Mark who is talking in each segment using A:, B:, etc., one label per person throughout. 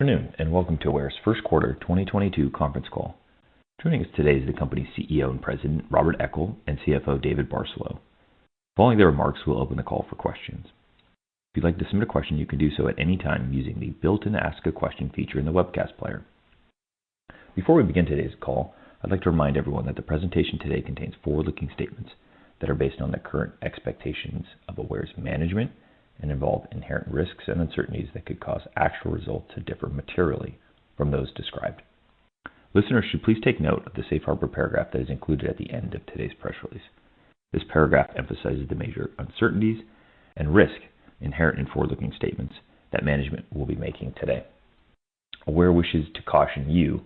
A: Good afternoon, and welcome to Aware's first quarter 2022 conference call. Joining us today is the company's CEO and President, Robert Eckel, and CFO, David Barcelo. Following their remarks, we'll open the call for questions. If you'd like to submit a question, you can do so at any time using the built-in Ask a Question feature in the webcast player. Before we begin today's call, I'd like to remind everyone that the presentation today contains forward-looking statements that are based on the current expectations of Aware's management and involve inherent risks and uncertainties that could cause actual results to differ materially from those described. Listeners should please take note of the safe harbor paragraph that is included at the end of today's press release. This paragraph emphasizes the major uncertainties and risk inherent in forward-looking statements that management will be making today. Aware wishes to caution you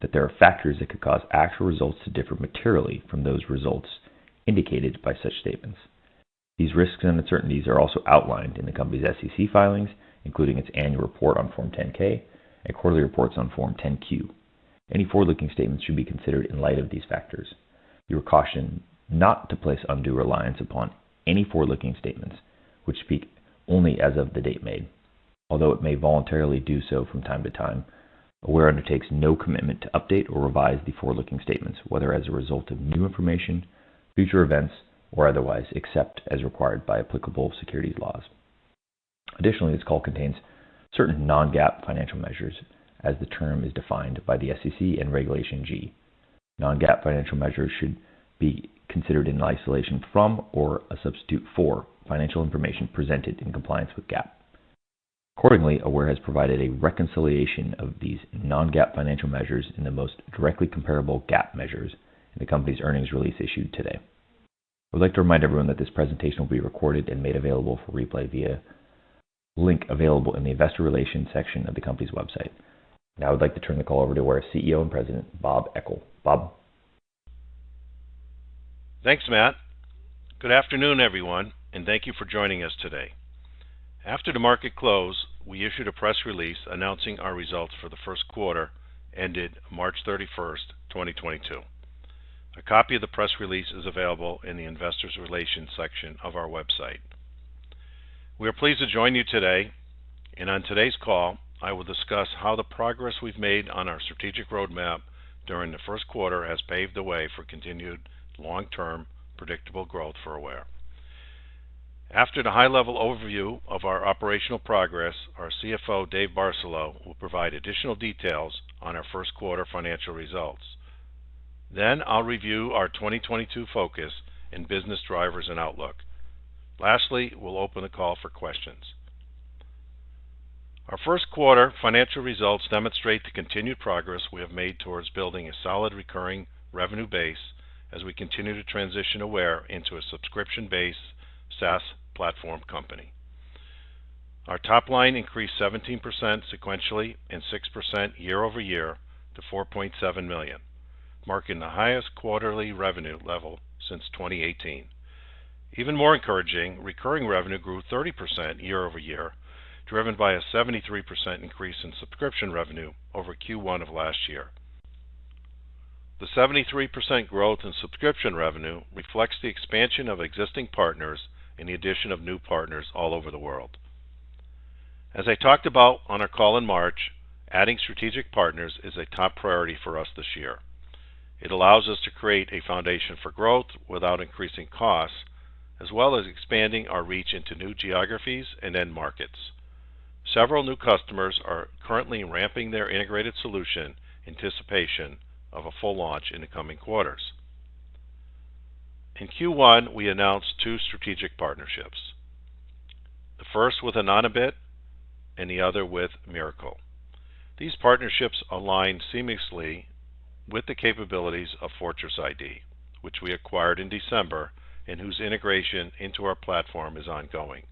A: that there are factors that could cause actual results to differ materially from those results indicated by such statements. These risks and uncertainties are also outlined in the company's SEC filings, including its annual report on Form 10-K and quarterly reports on Form 10-Q. Any forward-looking statements should be considered in light of these factors. You are cautioned not to place undue reliance upon any forward-looking statements which speak only as of the date made. Although it may voluntarily do so from time to time, Aware undertakes no commitment to update or revise the forward-looking statements, whether as a result of new information, future events or otherwise, except as required by applicable securities laws. Additionally, this call contains certain non-GAAP financial measures as the term is defined by the SEC and Regulation G. Non-GAAP financial measures should not be considered in isolation or as a substitute for financial information presented in accordance with GAAP. Accordingly, Aware has provided a reconciliation of these non-GAAP financial measures to the most directly comparable GAAP measures in the company's earnings release issued today. I would like to remind everyone that this presentation will be recorded and made available for replay via link available in the Investor Relations section of the company's website. Now I would like to turn the call over to Aware's CEO and President, Bob Eckel. Bob.
B: Thanks, Matt. Good afternoon, everyone, and thank you for joining us today. After the market close, we issued a press release announcing our results for the first quarter ended March 31, 2022. A copy of the press release is available in the Investor Relations section of our website. We are pleased to join you today, and on today's call, I will discuss how the progress we've made on our strategic roadmap during the first quarter has paved the way for continued long-term predictable growth for Aware. After the high-level overview of our operational progress, our CFO, David Barcelo, will provide additional details on our first quarter financial results. Then I'll review our 2022 focus in business drivers and outlook. Lastly, we'll open the call for questions. Our first quarter financial results demonstrate the continued progress we have made towards building a solid recurring revenue base as we continue to transition Aware into a subscription-based SaaS platform company. Our top line increased 17% sequentially and 6% year-over-year to $4.7 million, marking the highest quarterly revenue level since 2018. Even more encouraging, recurring revenue grew 30% year-over-year, driven by a 73% increase in subscription revenue over Q1 of last year. The 73% growth in subscription revenue reflects the expansion of existing partners and the addition of new partners all over the world. As I talked about on our call in March, adding strategic partners is a top priority for us this year. It allows us to create a foundation for growth without increasing costs, as well as expanding our reach into new geographies and end markets. Several new customers are currently ramping their integrated solution in anticipation of a full launch in the coming quarters. In Q1, we announced two strategic partnerships. The first with Anonybit and the other with MIRACL. These partnerships align seamlessly with the capabilities of Fortress Identity, which we acquired in December and whose integration into our platform is ongoing.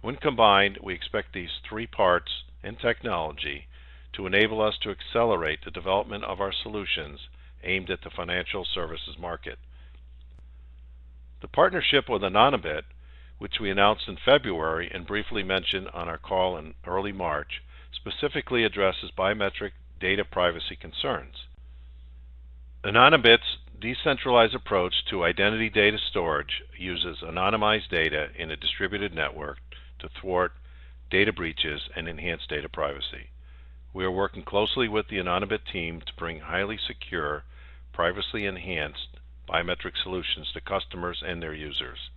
B: When combined, we expect these three partners and technology to enable us to accelerate the development of our solutions aimed at the financial services market. The partnership with Anonybit, which we announced in February and briefly mentioned on our call in early March, specifically addresses biometric data privacy concerns. Anonybit's decentralized approach to identity data storage uses anonymized data in a distributed network to thwart data breaches and enhance data privacy. We are working closely with the Anonybit team to bring highly secure, privacy-enhanced biometric solutions to customers and their users.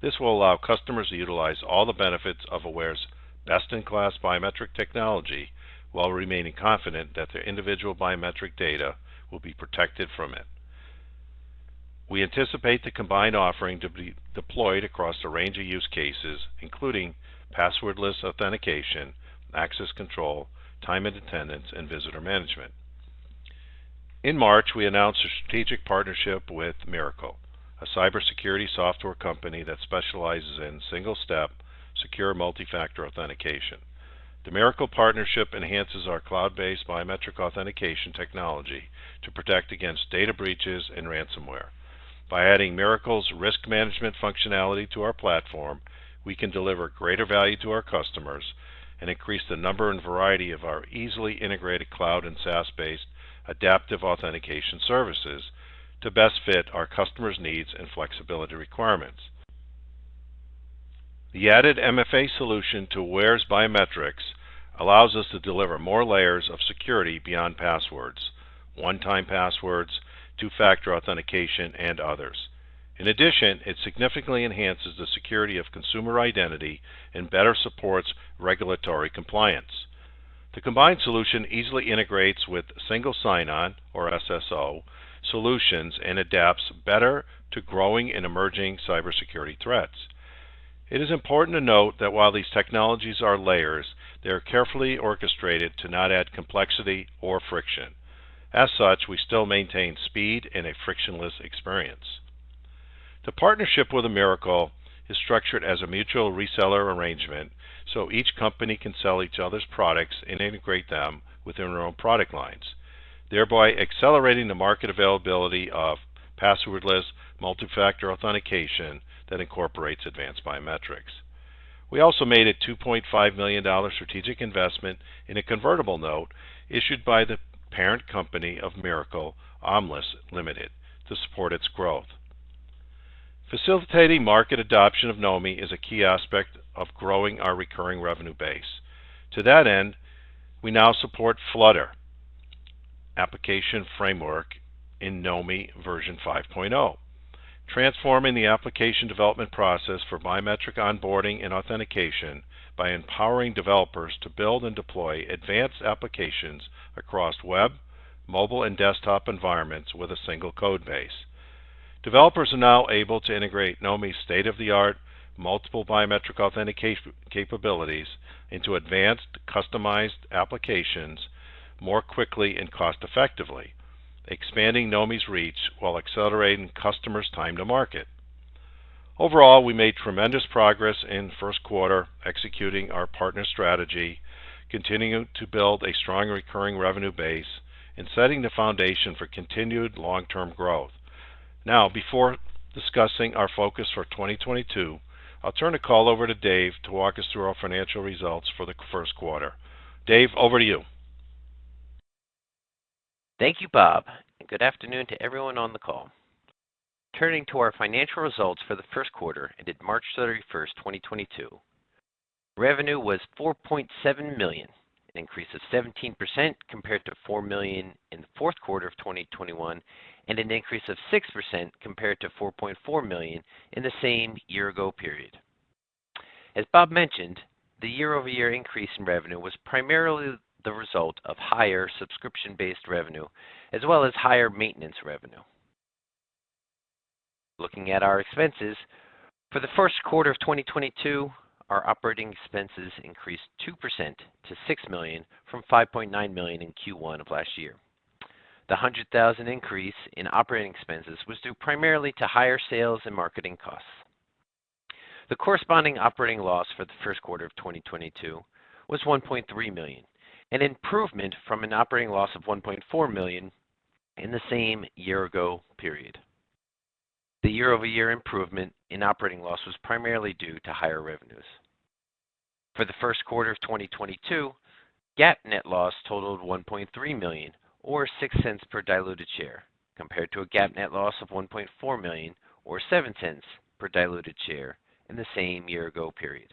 B: This will allow customers to utilize all the benefits of Aware's best-in-class biometric technology while remaining confident that their individual biometric data will be protected from it. We anticipate the combined offering to be deployed across a range of use cases, including password-less authentication, access control, time and attendance, and visitor management. In March, we announced a strategic partnership with MIRACL, a cybersecurity software company that specializes in single-step secure multi-factor authentication. The MIRACL partnership enhances our cloud-based biometric authentication technology to protect against data breaches and ransomware. By adding MIRACL's risk management functionality to our platform, we can deliver greater value to our customers and increase the number and variety of our easily integrated cloud and SaaS-based adaptive authentication services to best fit our customers' needs and flexibility requirements. The added MFA solution to Aware's biometrics allows us to deliver more layers of security beyond passwords, one-time passwords, two-factor authentication, and others. In addition, it significantly enhances the security of consumer identity and better supports regulatory compliance. The combined solution easily integrates with single sign-on or SSO solutions and adapts better to growing and emerging cybersecurity threats. It is important to note that while these technologies are layers, they are carefully orchestrated to not add complexity or friction. As such, we still maintain speed and a frictionless experience. The partnership with MIRACL is structured as a mutual reseller arrangement, so each company can sell each other's products and integrate them within our own product lines, thereby accelerating the market availability of password-less multi-factor authentication that incorporates advanced biometrics. We also made a $2.5 million strategic investment in a convertible note issued by the parent company of MIRACL, Omlis Limited, to support its growth. Facilitating market adoption of Knomi is a key aspect of growing our recurring revenue base. To that end, we now support Flutter application framework in Knomi version 5.0, transforming the application development process for biometric onboarding and authentication by empowering developers to build and deploy advanced applications across web, mobile, and desktop environments with a single code base. Developers are now able to integrate Knomi's state-of-the-art multiple biometric authentication capabilities into advanced customized applications more quickly and cost-effectively, expanding Knomi's reach while accelerating customers' time to market. Overall, we made tremendous progress in first quarter executing our partner strategy, continuing to build a strong recurring revenue base, and setting the foundation for continued long-term growth. Now, before discussing our focus for 2022, I'll turn the call over to Dave to walk us through our financial results for the first quarter. Dave, over to you.
C: Thank you, Bob, and good afternoon to everyone on the call. Turning to our financial results for the first quarter ended March 31st, 2022, revenue was $4.7 million, an increase of 17% compared to $4 million in the fourth quarter of 2021 and an increase of 6% compared to $4.4 million in the same year-ago period. As Bob mentioned, the year-over-year increase in revenue was primarily the result of higher subscription-based revenue as well as higher maintenance revenue. Looking at our expenses, for the first quarter of 2022, our operating expenses increased 2% to $6 million from $5.9 million in Q1 of last year. The $100,000 increase in operating expenses was due primarily to higher sales and marketing costs. The corresponding operating loss for the first quarter of 2022 was $1.3 million, an improvement from an operating loss of $1.4 million in the same year-ago period. The year-over-year improvement in operating loss was primarily due to higher revenues. For the first quarter of 2022, GAAP net loss totaled $1.3 million or $0.06 per diluted share, compared to a GAAP net loss of $1.4 million or $0.07 per diluted share in the same year-ago period.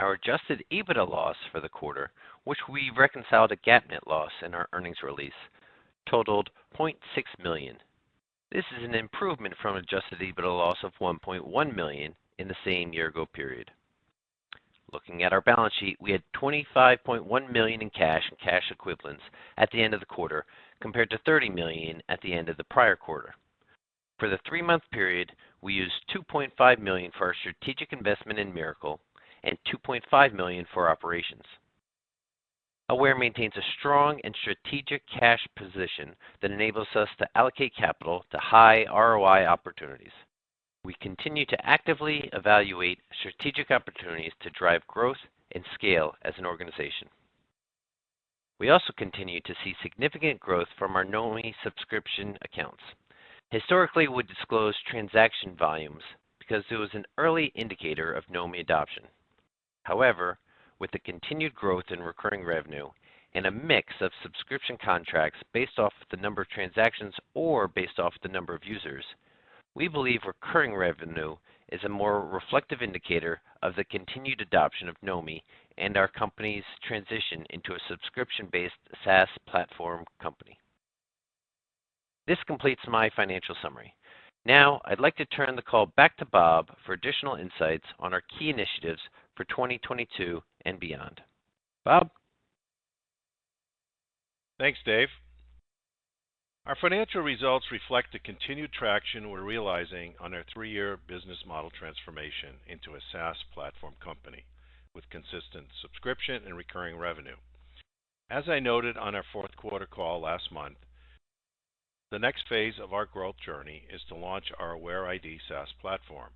C: Our adjusted EBITDA loss for the quarter, which we reconcile to GAAP net loss in our earnings release, totaled $0.6 million. This is an improvement from adjusted EBITDA loss of $1.1 million in the same year-ago period. Looking at our balance sheet, we had $25.1 million in cash and cash equivalents at the end of the quarter, compared to $30 million at the end of the prior quarter. For the three-month period, we used $2.5 million for our strategic investment in MIRACL and $2.5 million for operations. Aware maintains a strong and strategic cash position that enables us to allocate capital to high ROI opportunities. We continue to actively evaluate strategic opportunities to drive growth and scale as an organization. We also continue to see significant growth from our Knomi subscription accounts. Historically, we disclose transaction volumes because it was an early indicator of Knomi adoption. However, with the continued growth in recurring revenue and a mix of subscription contracts based off the number of transactions or based off the number of users, we believe recurring revenue is a more reflective indicator of the continued adoption of Knomi and our company's transition into a subscription-based SaaS platform company. This completes my financial summary. Now, I'd like to turn the call back to Bob for additional insights on our key initiatives for 2022 and beyond. Bob?
B: Thanks, Dave. Our financial results reflect the continued traction we're realizing on our three-year business model transformation into a SaaS platform company with consistent subscription and recurring revenue. As I noted on our fourth quarter call last month, the next phase of our growth journey is to launch our AwareID SaaS platform.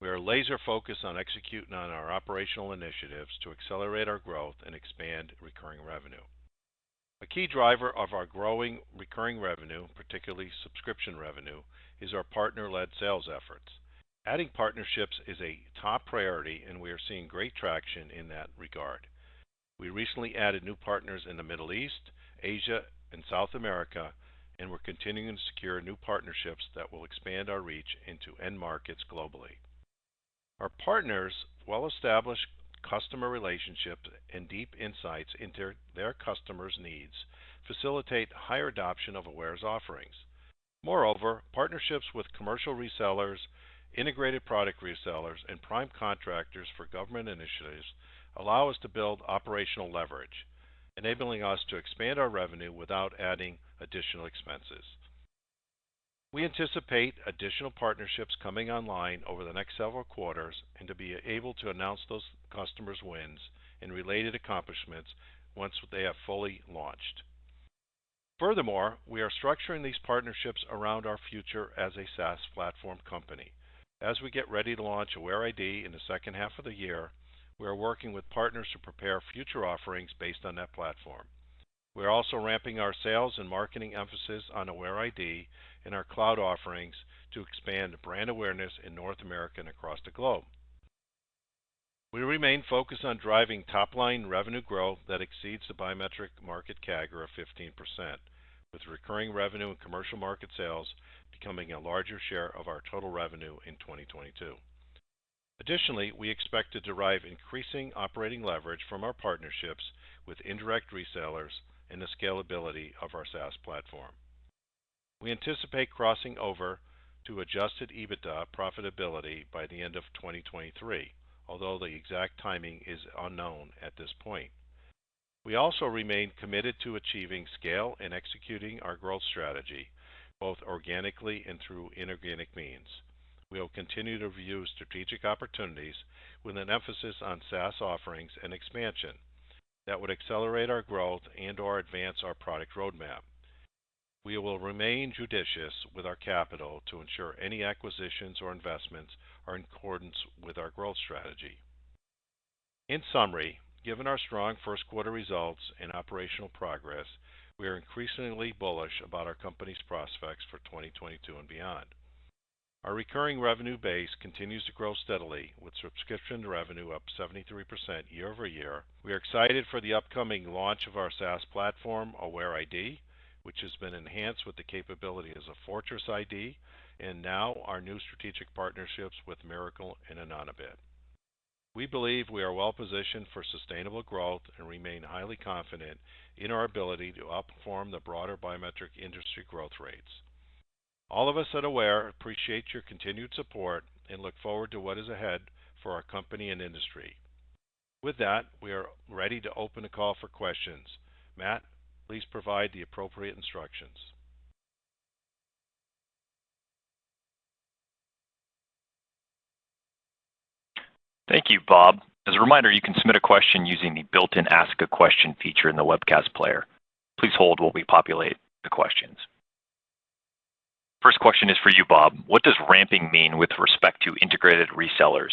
B: We are laser-focused on executing on our operational initiatives to accelerate our growth and expand recurring revenue. A key driver of our growing recurring revenue, particularly subscription revenue, is our partner-led sales efforts. Adding partnerships is a top priority, and we are seeing great traction in that regard. We recently added new partners in the Middle East, Asia, and South America, and we're continuing to secure new partnerships that will expand our reach into end markets globally. Our partners well-established customer relationships and deep insights into their customers' needs facilitate higher adoption of Aware's offerings. Moreover, partnerships with commercial resellers, integrated product resellers, and prime contractors for government initiatives allow us to build operational leverage, enabling us to expand our revenue without adding additional expenses. We anticipate additional partnerships coming online over the next several quarters and to be able to announce those customers' wins and related accomplishments once they have fully launched. Furthermore, we are structuring these partnerships around our future as a SaaS platform company. As we get ready to launch AwareID in the second half of the year, we are working with partners to prepare future offerings based on that platform. We are also ramping our sales and marketing emphasis on AwareID and our cloud offerings to expand brand awareness in North America and across the globe. We remain focused on driving top-line revenue growth that exceeds the biometric market CAGR of 15%, with recurring revenue and commercial market sales becoming a larger share of our total revenue in 2022. Additionally, we expect to derive increasing operating leverage from our partnerships with indirect resellers and the scalability of our SaaS platform. We anticipate crossing over to adjusted EBITDA profitability by the end of 2023, although the exact timing is unknown at this point. We also remain committed to achieving scale and executing our growth strategy, both organically and through inorganic means. We will continue to review strategic opportunities with an emphasis on SaaS offerings and expansion that would accelerate our growth and/or advance our product roadmap. We will remain judicious with our capital to ensure any acquisitions or investments are in accordance with our growth strategy. In summary, given our strong first quarter results and operational progress, we are increasingly bullish about our company's prospects for 2022 and beyond. Our recurring revenue base continues to grow steadily, with subscription revenue up 73% year-over-year. We are excited for the upcoming launch of our SaaS platform, AwareID, which has been enhanced with the capability as a Fortress Identity, and now our new strategic partnerships with MIRACL and Anonybit. We believe we are well-positioned for sustainable growth and remain highly confident in our ability to outperform the broader biometric industry growth rates. All of us at Aware appreciate your continued support and look forward to what is ahead for our company and industry. With that, we are ready to open the call for questions. Matt, please provide the appropriate instructions.
A: Thank you, Bob. As a reminder, you can submit a question using the built-in Ask a Question feature in the webcast player. Please hold while we populate the questions. First question is for you, Bob. What does ramping mean with respect to integrated resellers?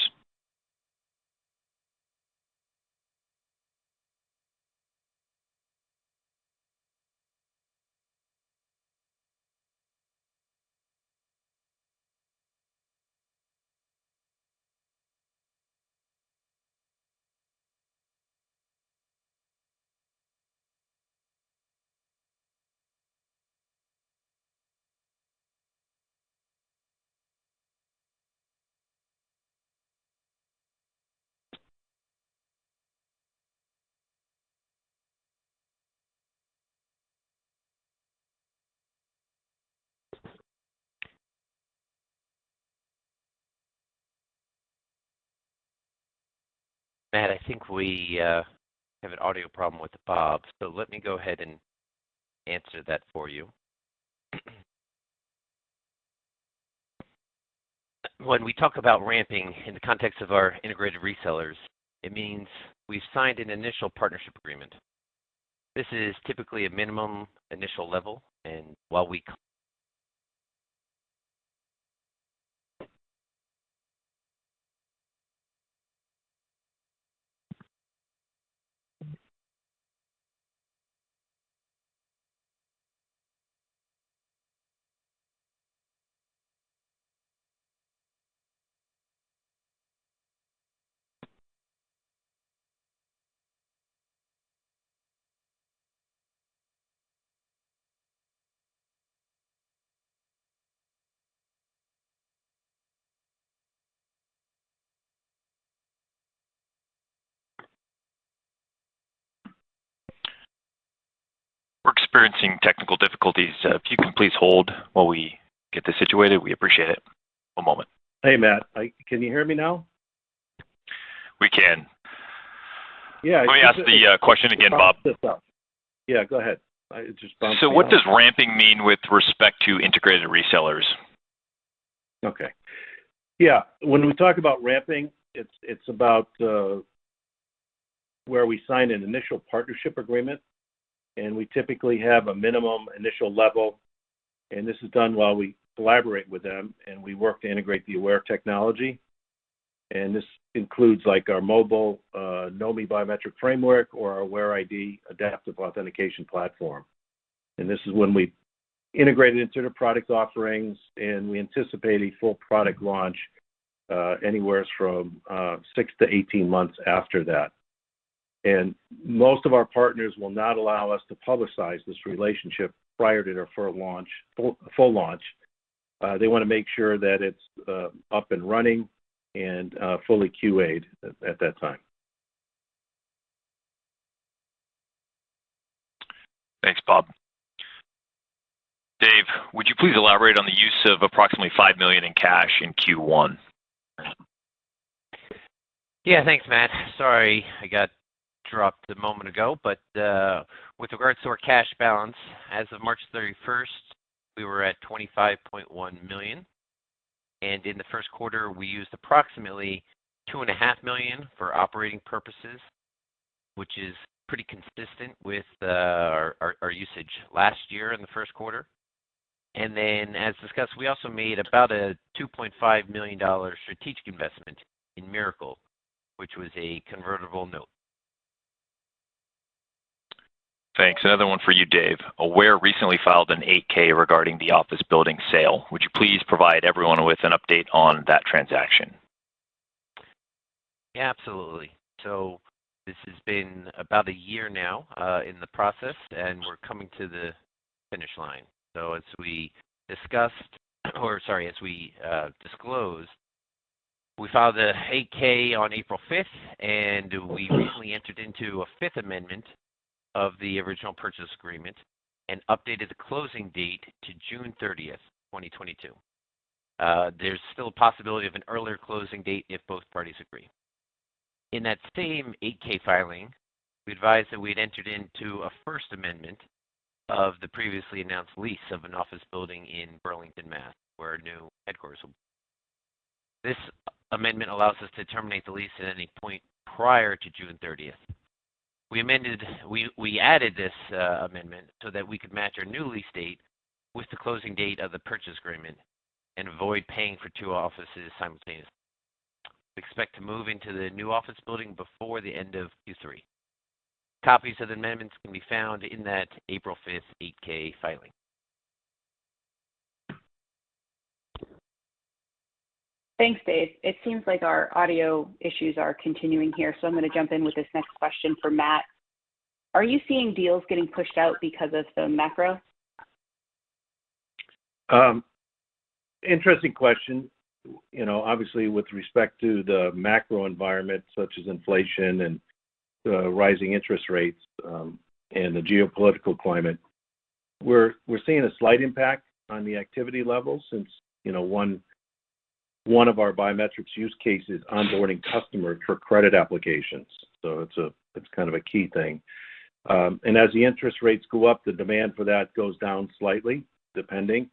C: Matt, I think we have an audio problem with Bob, so let me go ahead and answer that for you. When we talk about ramping in the context of our integrated resellers, it means we've signed an initial partnership agreement. This is typically a minimum initial level and while we-
A: We're experiencing technical difficulties. Uh, if you can please hold while we get this situated, we appreciate it. One moment.
B: Hey, Matt. Can you hear me now?
A: We can.
B: Yeah.
A: Let me ask the question again, Bob.
B: Yeah, go ahead. I just bounced me off.
A: What does ramping mean with respect to integrated resellers?
B: Okay. Yeah. When we talk about ramping, it's about where we sign an initial partnership agreement, and we typically have a minimum initial level. This is done while we collaborate with them, and we work to integrate the Aware technology. This includes, like, our mobile Knomi biometric framework or our AwareID adaptive authentication platform. This is when we integrated into the product offerings, and we anticipate a full product launch anywhere from six to 18 months after that. Most of our partners will not allow us to publicize this relationship prior to their full launch. They want to make sure that it's up and running and fully QA'd at that time.
A: Thanks, Bob. Dave, would you please elaborate on the use of approximately $5 million in cash in Q1?
C: Yeah, thanks, Matt. Sorry, I got dropped a moment ago. With regards to our cash balance, as of March 31st, we were at $25.1 million, and in the first quarter, we used approximately $2.5 million for operating purposes, which is pretty consistent with our usage last year in the first quarter. As discussed, we also made about a $2.5 million strategic investment in MIRACL, which was a convertible note.
A: Thanks. Another one for you, Dave. Aware recently filed an 8-K regarding the office building sale. Would you please provide everyone with an update on that transaction?
C: Yeah, absolutely. This has been about a year now in the process, and we're coming to the finish line. As we disclose, we filed the 8-K on April 5th, and we recently entered into a fifth amendment of the original purchase agreement and updated the closing date to June 30th, 2022. There's still a possibility of an earlier closing date if both parties agree. In that same 8-K filing, we advised that we had entered into a first amendment of the previously announced lease of an office building in Burlington, Mass., where our new headquarters will be. This amendment allows us to terminate the lease at any point prior to June 30th. We added this amendment so that we could match our new lease date with the closing date of the purchase agreement and avoid paying for two offices simultaneously. We expect to move into the new office building before the end of Q3. Copies of the amendments can be found in that April 5th 8-K filing.
D: Thanks, Dave. It seems like our audio issues are continuing here, so I'm going to jump in with this next question for Matt. Are you seeing deals getting pushed out because of the macro?
B: Interesting question. You know, obviously with respect to the macro environment such as inflation and rising interest rates, and the geopolitical climate, we're seeing a slight impact on the activity levels since, you know, one of our biometrics use case is onboarding customers for credit applications. It's kind of a key thing. As the interest rates go up, the demand for that goes down slightly, depending.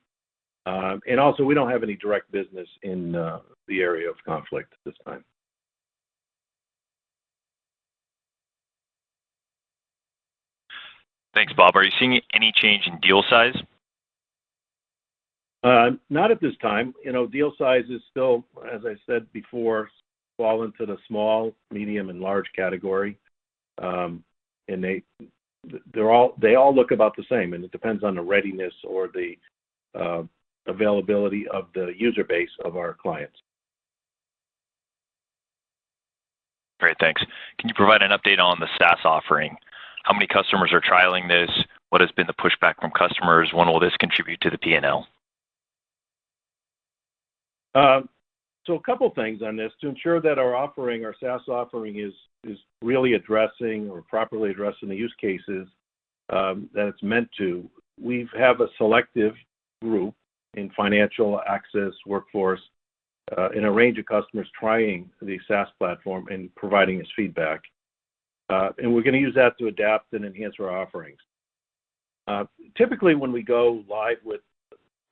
B: Also we don't have any direct business in the area of conflict at this time.
A: Thanks, Bob. Are you seeing any change in deal size?
B: Not at this time. You know, deal size is still, as I said before, fall into the small, medium, and large category. They all look about the same, and it depends on the readiness or the availability of the user base of our clients.
A: Great. Thanks. Can you provide an update on the SaaS offering? How many customers are trialing this? What has been the pushback from customers? When will this contribute to the P&L?
B: A couple of things on this. To ensure that our offering, our SaaS offering is really addressing or properly addressing the use cases that it's meant to, we have a selective group in financial access workforce and a range of customers trying the SaaS platform and providing us feedback. And we're going to use that to adapt and enhance our offerings. Typically, when we go live with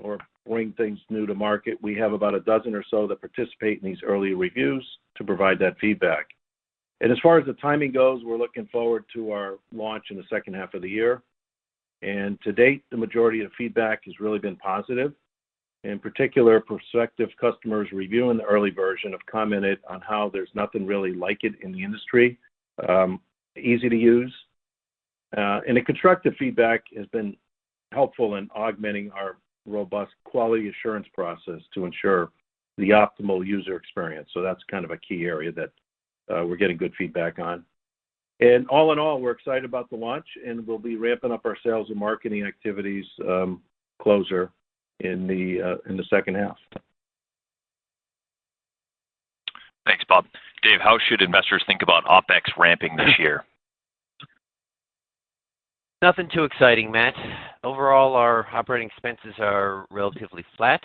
B: or bring things new to market, we have about a dozen or so that participate in these early reviews to provide that feedback. As far as the timing goes, we're looking forward to our launch in the second half of the year. To date, the majority of feedback has really been positive. In particular, prospective customers reviewing the early version have commented on how there's nothing really like it in the industry, easy to use. The constructive feedback has been helpful in augmenting our robust quality assurance process to ensure the optimal user experience. That's kind of a key area that we're getting good feedback on. All in all, we're excited about the launch, and we'll be ramping up our sales and marketing activities closer in the second half.
A: Thanks, Bob. Dave, how should investors think about OpEx ramping this year?
C: Nothing too exciting, Matt. Overall, our operating expenses are relatively flat.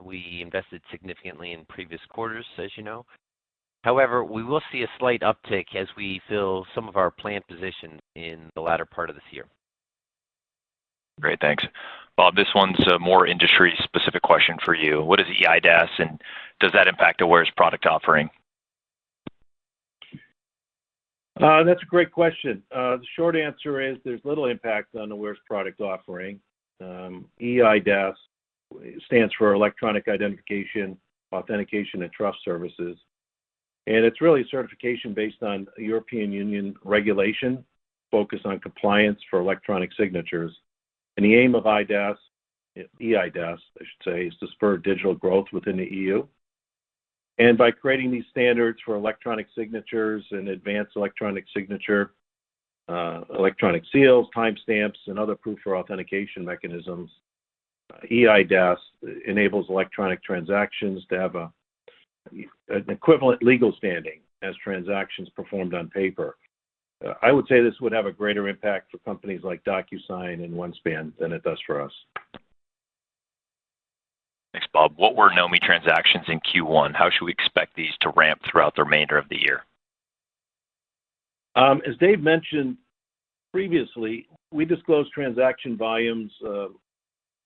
C: We invested significantly in previous quarters, as you know. However, we will see a slight uptick as we fill some of our planned positions in the latter part of this year.
A: Great. Thanks. Bob, this one's a more industry-specific question for you. What is eIDAS, and does that impact Aware's product offering?
B: That's a great question. The short answer is there's little impact on Aware's product offering. eIDAS stands for Electronic Identification Authentication and Trust Services. It's really a certification based on a European Union regulation focused on compliance for electronic signatures. The aim of eIDAS, I should say, is to spur digital growth within the EU. By creating these standards for electronic signatures and advanced electronic signature, electronic seals, timestamps, and other proof for authentication mechanisms, eIDAS enables electronic transactions to have an equivalent legal standing as transactions performed on paper. I would say this would have a greater impact for companies like DocuSign and OneSpan than it does for us.
A: Thanks, Bob. What were Knomi transactions in Q1? How should we expect these to ramp throughout the remainder of the year?
B: As Dave mentioned previously, we disclosed transaction volumes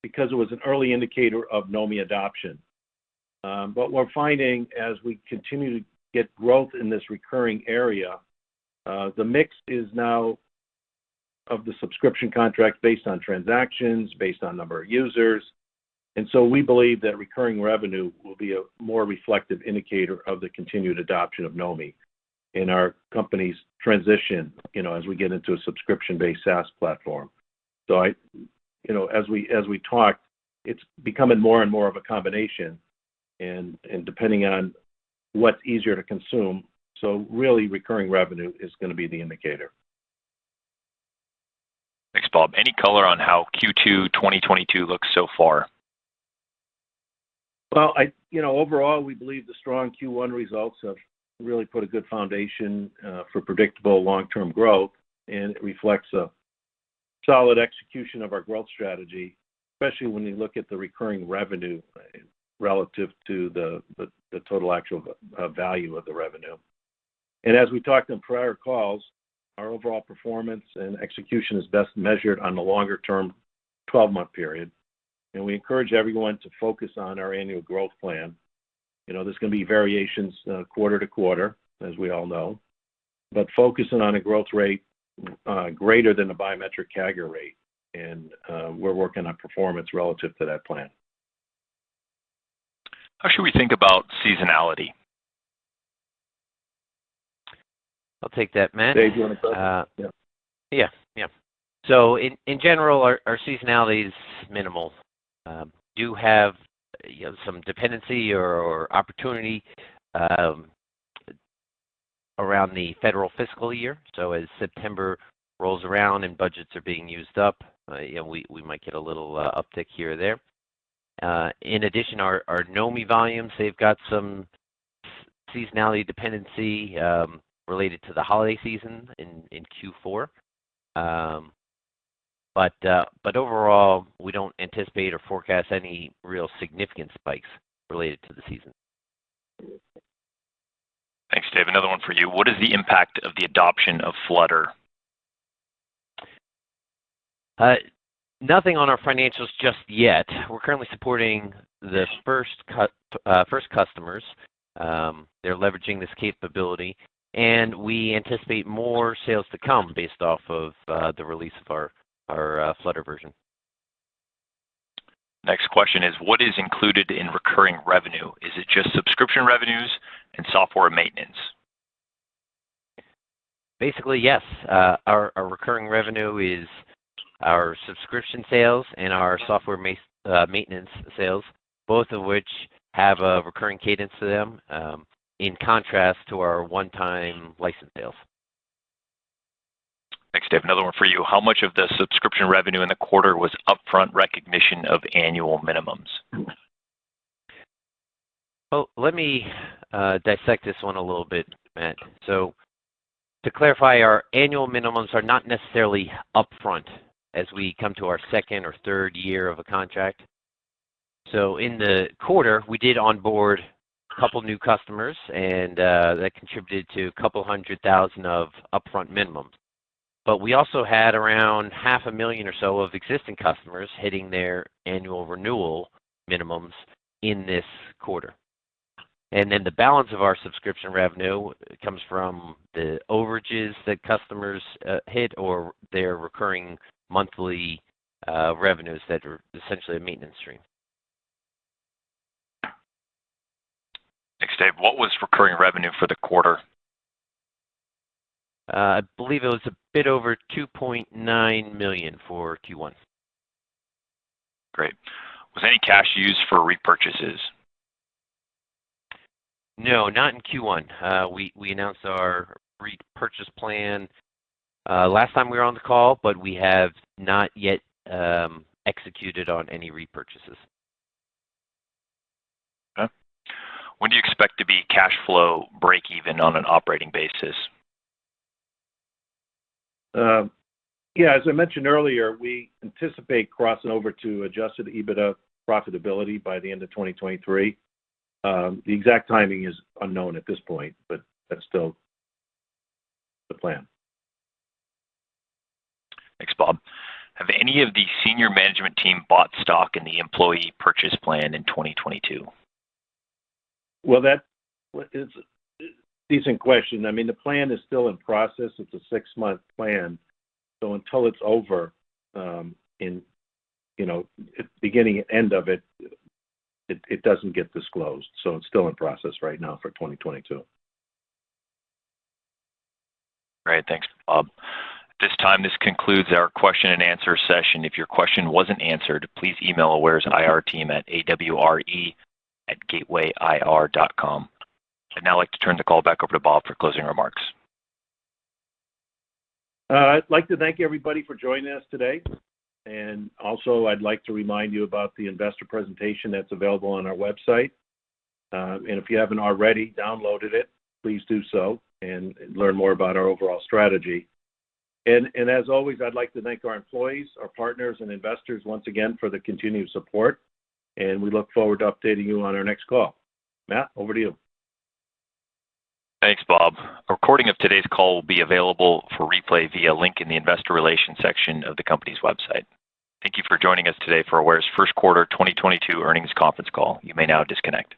B: because it was an early indicator of Knomi adoption. We're finding as we continue to get growth in this recurring area, the mix is now of the subscription contract based on transactions, based on number of users. We believe that recurring revenue will be a more reflective indicator of the continued adoption of Knomi in our company's transition, you know, as we get into a subscription-based SaaS platform. You know, as we talk, it's becoming more and more of a combination and depending on what's easier to consume, so really, recurring revenue is gonna be the indicator.
A: Thanks, Bob. Any color on how Q2 2022 looks so far?
B: Well, you know, overall, we believe the strong Q1 results have really put a good foundation for predictable long-term growth, and it reflects a solid execution of our growth strategy, especially when you look at the recurring revenue relative to the total actual value of the revenue. As we talked on prior calls, our overall performance and execution is best measured on the longer-term 12-month period. We encourage everyone to focus on our annual growth plan. You know, there's gonna be variations quarter to quarter, as we all know. Focusing on a growth rate greater than the biometric CAGR rate, we're working on performance relative to that plan.
A: How should we think about seasonality?
C: I'll take that, Matt.
B: Dave, do you want to start?
C: Uh. Yeah. In general, our seasonality is minimal. We do have, you know, some dependency or opportunity around the federal fiscal year. As September rolls around and budgets are being used up, you know, we might get a little uptick here or there. In addition, our Knomi volumes, they've got some seasonality dependency related to the holiday season in Q4. But overall, we don't anticipate or forecast any real significant spikes related to the season.
A: Thanks, Dave. Another one for you. What is the impact of the adoption of Flutter?
C: Nothing on our financials just yet. We're currently supporting the first customers. They're leveraging this capability, and we anticipate more sales to come based off of the release of our Flutter version.
A: Next question is, what is included in recurring revenue? Is it just subscription revenues and software maintenance?
C: Basically, yes. Our recurring revenue is our subscription sales and our software maintenance sales, both of which have a recurring cadence to them, in contrast to our one-time license sales.
A: Thanks, Dave. Another one for you. How much of the subscription revenue in the quarter was upfront recognition of annual minimums?
C: Well, let me dissect this one a little bit, Matt. To clarify, our annual minimums are not necessarily upfront as we come to our second or third year of a contract. In the quarter, we did onboard a couple new customers and that contributed to $200,000 of upfront minimums. We also had around half a million or so of existing customers hitting their annual renewal minimums in this quarter. The balance of our subscription revenue comes from the overages that customers hit or their recurring monthly revenues that are essentially a maintenance stream.
A: Thanks, Dave. What was recurring revenue for the quarter?
C: I believe it was a bit over $2.9 million for Q1.
A: Great. Was any cash used for repurchases?
C: No, not in Q1. We announced our repurchase plan last time we were on the call, but we have not yet executed on any repurchases.
A: Okay. When do you expect to be cash flow breakeven on an operating basis?
B: Yeah, as I mentioned earlier, we anticipate crossing over to adjusted EBITDA profitability by the end of 2023. The exact timing is unknown at this point, but that's still the plan.
A: Thanks, Bob. Have any of the senior management team bought stock in the employee purchase plan in 2022?
B: Well, that is a decent question. I mean, the plan is still in process. It's a six-month plan, so until it's over, you know, beginning and end of it doesn't get disclosed. It's still in process right now for 2022.
A: Great. Thanks, Bob. At this time, this concludes our question and answer session. If your question wasn't answered, please email Aware's IR team at ir@gatewayir.com. I'd now like to turn the call back over to Bob for closing remarks.
B: I'd like to thank everybody for joining us today. Also, I'd like to remind you about the investor presentation that's available on our website if you haven't already downloaded it, please do so and learn more about our overall strategy. As always, I'd like to thank our employees, our partners, and investors once again for the continued support, and we look forward to updating you on our next call. Matt, over to you.
A: Thanks, Bob. A recording of today's call will be available for replay via link in the investor relations section of the company's website. Thank you for joining us today for Aware's first quarter 2022 earnings conference call. You may now disconnect.